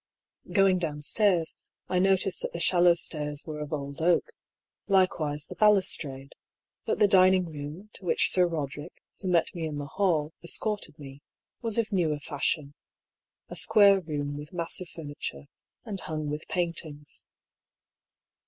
Going downstairs, I noticed that the shallow stairs were of old oak, likewise the balustrade ; but the dining room, to which Sir Roderick, who met me in the hall, escorted me, was of newer fashion — ^a square room with massive furniture, and hung with paintings.